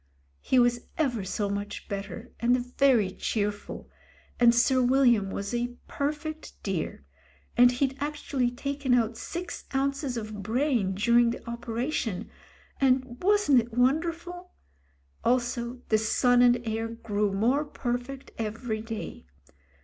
He was ever so much better, and very cheerful; and Sir William was a perfect dear; and he'd actually taken out six ounces of brain during the operation, and wasn't it wonderful. Also the son and heir grew more perfect every day.